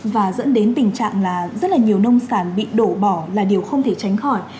và dẫn đến tình trạng là rất là nhiều nông sản bị đổ bỏ là điều không thể tránh khỏi